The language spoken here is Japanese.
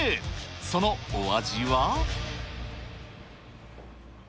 そのお味は？